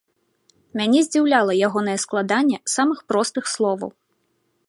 Мяне здзіўляла ягонае складанне самых простых словаў.